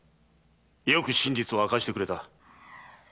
よく真実を明かしてくれた。